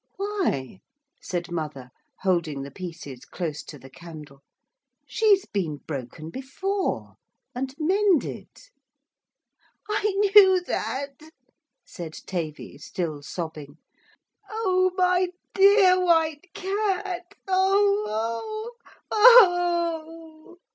'Why,' said mother, holding the pieces close to the candle. 'She's been broken before. And mended.' 'I knew that,' said Tavy, still sobbing. 'Oh, my dear White Cat, oh, oh, oh!'